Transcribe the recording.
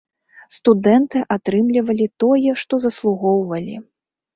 Студэнты атрымлівалі тое, што заслугоўвалі.